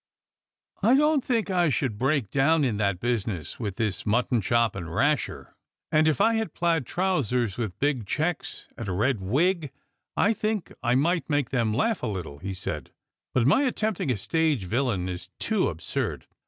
" I don't think I should break down in that business with the mutton chop and rasher ; and if I had plaid trousers with big checks, and a red wig, I think I might make them laugh a little," he said ;" but my attempting a stage villain is too absurd.